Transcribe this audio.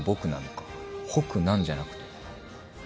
「北南」じゃなくて。